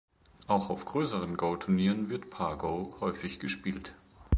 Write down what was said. Auch auf größeren Go-Turnieren wird Paar-Go häufig gespielt.